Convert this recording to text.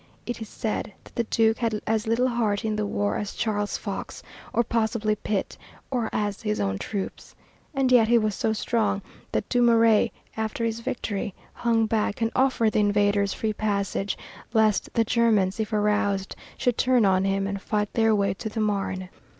It is said that the Duke had as little heart in the war as Charles Fox, or, possibly, Pitt, or as his own troops. And yet he was so strong that Dumouriez, after his victory, hung back and offered the invaders free passage lest the Germans, if aroused, should turn on him and fight their way to the Marne.